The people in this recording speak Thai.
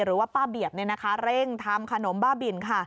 หรือว่าป้าเบียบเร่งทำขนมบ้าบินค่ะ